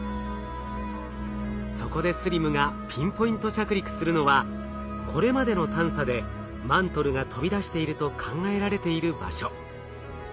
そこでＳＬＩＭがピンポイント着陸するのはこれまでの探査でマントルが飛び出していると考えられている場所。